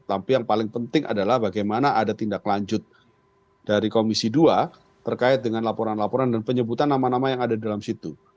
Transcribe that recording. tapi yang paling penting adalah bagaimana ada tindak lanjut dari komisi dua terkait dengan laporan laporan dan penyebutan nama nama yang ada di dalam situ